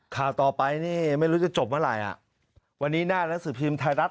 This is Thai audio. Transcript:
ข่าวต่อไปนี่ไม่รู้จะจบเมื่อไหร่อ่ะวันนี้หน้าหนังสือพิมพ์ไทยรัฐ